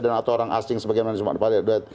dan atau orang asing sebagaimana di sebuah tempat